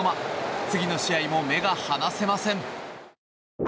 次の試合も目が離せません。